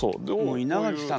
稲垣さん